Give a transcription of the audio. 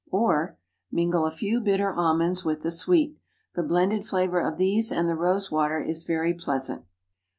Or, Mingle a few bitter almonds with the sweet. The blended flavor of these and the rose water is very pleasant.